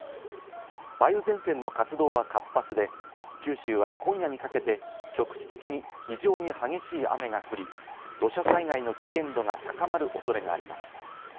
梅雨前線の活動は活発で、九州は今夜にかけて局地的に非常に激しい雨が降り、土砂災害の危険度が高まる恐れがあります。